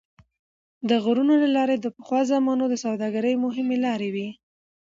د غرونو لارې د پخوا زمانو د سوداګرۍ مهمې لارې وې.